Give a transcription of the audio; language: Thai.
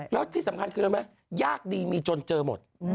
แล้วที่สำคัญคือยากดีมีเจนเจอหมด